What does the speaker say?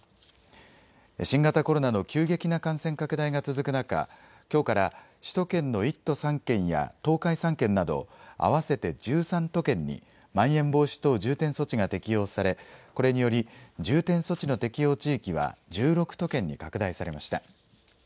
新型コロナの急激な感染拡大が続く中、きょうから首都圏の１都３県や東海３県など合わせて１３都県にまん延防止等重点措置が適用されこれにより重点措置の適用地域は１６都県に拡大されました。